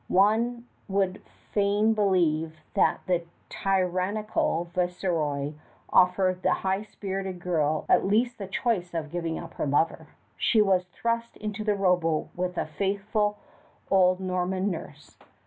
One would fain believe that the tyrannical Viceroy offered the high spirited girl at least the choice of giving up her lover. She was thrust into the rowboat with a faithful old Norman nurse.